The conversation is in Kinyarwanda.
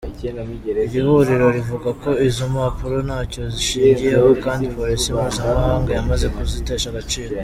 Iri huriro rivuga ko izo mpapuro ntacyo zishingiyeho kandi Polisi mpuzamahanga yamaze kuzitesha agaciro.